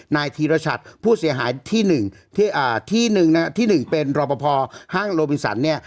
นายธีรชัดผู้เสียหายที่๑ที่หนึ่งนะที่๑เป็นรอปภห้างโลบินสันเนี่ย